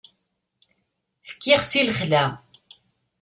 Fkiɣ-tt i lexla.